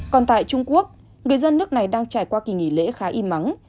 còn tại trung quốc người dân nước này đang trải qua kỳ nghỉ lễ khá im ắng